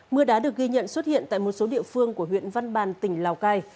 mưa đá được ghi nhận xuất hiện tại một số địa phương của huyện văn bàn tỉnh lào cai